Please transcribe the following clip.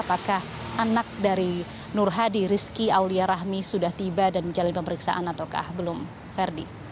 apakah anak dari nur hadi rizki aulia rahmi sudah tiba dan menjalani pemeriksaan ataukah belum verdi